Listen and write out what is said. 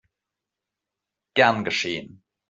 Gern geschehen!